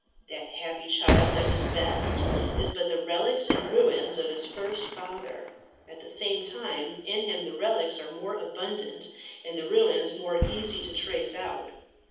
That happy child at his best is but the relics and ruins of his first father; at the same time, in him the relics are more abundant and the ruins more easy to trace out.